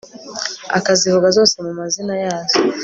akazivuga zose mu mazina yazo